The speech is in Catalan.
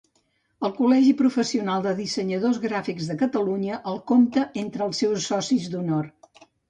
El Col·legi Professional de Dissenyadors Gràfics de Catalunya el compta entre els seus socis d'honor.